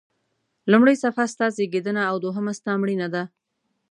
لومړۍ صفحه ستا زیږېدنه او دوهمه ستا مړینه ده.